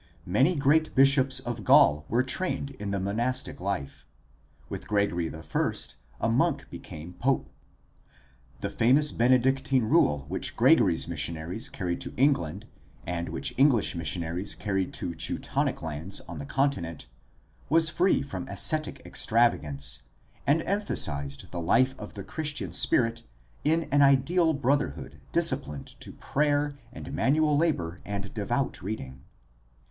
Many great bishops of Gaul were trained in the monastic life. With Gregory I a monk became pope. The famous Benedictine rule which Gregory's missionaries carried to England and which English missionaries carried to Teutonic lands on the Continent was free from ascetic extravagance and empha sized the life of the Christian spirit in an ideal brotherhood disciplined to prayer and manual labor and devout reading.